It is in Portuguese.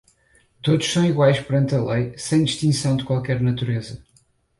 Todos são iguais perante a lei, sem distinção de qualquer natureza